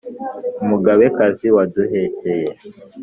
umugabekazi waduhekeye